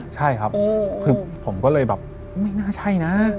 ใช่ครับคือผมก็เลยแบบไม่น่าใช่นะ